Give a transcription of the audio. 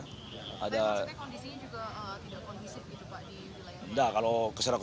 tapi maksudnya kondisinya juga tidak kondisif gitu pak